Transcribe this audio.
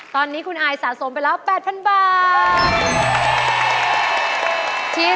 ตอนนี้คุณอายสะสมไปแล้ว๘๐๐๐บาท